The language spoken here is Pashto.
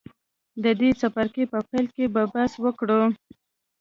د دې څپرکي په پیل کې به بحث وکړو.